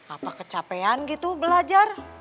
apa kecapean gitu belajar